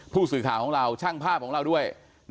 ผู้สื่อข่าวของเราช่างภาพของเราด้วย